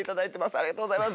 ありがとうございます。